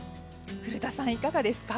古田さん、いかがですか？